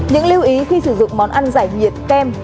những lưu ý khi sử dụng món ăn giải nhiệt kem